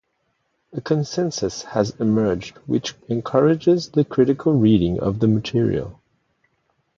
A consensus has emerged which encourages the critical reading of the material.